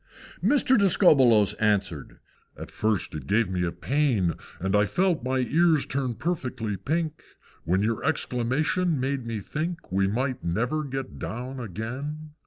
III. Mr. Discobbolos answered, "At first it gave me pain, And I felt my ears turn perfectly pink When your exclamation made me think We might never get down again!